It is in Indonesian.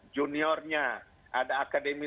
juniornya ada akademi